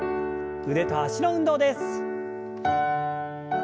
腕と脚の運動です。